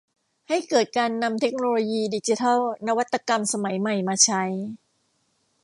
ให้เกิดการนำเทคโนโลยีดิจิทัลนวัตกรรมสมัยใหม่มาใช้